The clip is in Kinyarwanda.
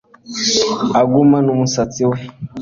Agumana umusatsi we